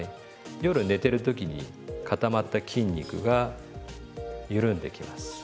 夜寝てる時に固まった筋肉が緩んできます。